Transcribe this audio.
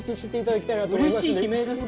うれしい悲鳴ですね。